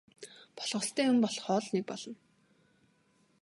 Болох ёстой юм болохоо л нэг болно.